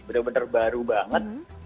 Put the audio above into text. benar benar baru banget